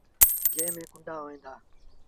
جݩهݩ ميݩ ڪنڊآ هوئين دآ۔